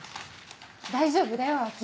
大丈夫だよ亜季。